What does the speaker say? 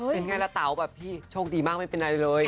เป็นไงล่ะเต๋าแบบพี่โชคดีมากไม่เป็นอะไรเลย